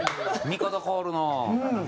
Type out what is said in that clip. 見方変わるな。